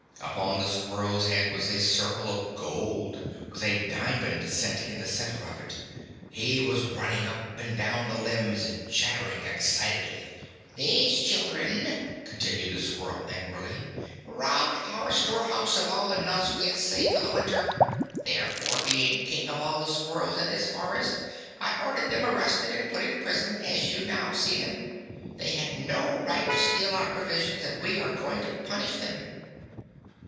Upon the squirrel's head was a circle of gold, with a diamond set in the center of it. He was running up and down the limbs and chattering excitedly. "These children," continued the squirrel, angrily, "robbed our storehouse of all the nuts we had saved up for winter. Therefore, being King of all the Squirrels in this forest, I ordered them arrested and put in prison, as you now see them. They had no right to steal our provisions and we are going to punish them."